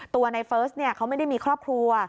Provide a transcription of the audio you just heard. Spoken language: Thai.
ตัวในเฟิร์สเขาไม่ได้มีครอบครัว